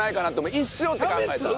一生って考えたら。